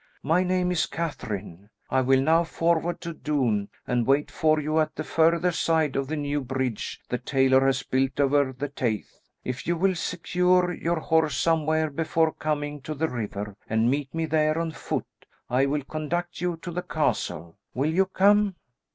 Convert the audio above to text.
My name is Catherine. I will now forward to Doune, and wait for you at the further side of the new bridge the tailor has built over the Teith. If you will secure your horse somewhere before coming to the river, and meet me there on foot, I will conduct you to the castle. Will you come?"